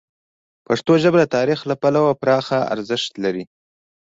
پښتو ژبه د تاریخ له پلوه پراخه ارزښت لري.